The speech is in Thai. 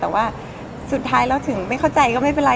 แต่ว่าสุดท้ายแล้วถึงไม่เข้าใจก็ไม่เป็นไร